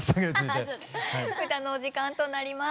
歌のお時間となります。